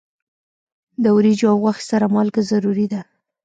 د وریجو او غوښې سره مالګه ضروری ده.